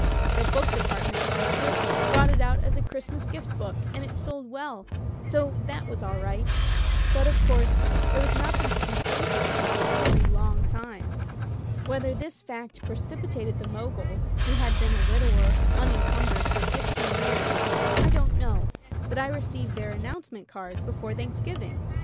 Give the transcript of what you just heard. The book department, how ever, brought it out as a Christmas gift book, and it sold well, so that was all right. But, of course, there was nothing to be paid her for a weary long time. Whether this fact pre cipitated the Mogul — ^who had been a wid ower unencumbered for fifteen years — I don't know, but I received their "announce ment" cards before Thanksgiving.